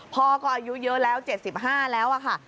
พ่อก็อายุเยอะแล้ว๗๕แล้วค่ะ